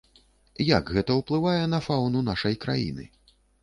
Як гэта ўплывае на фаўну нашай краіны?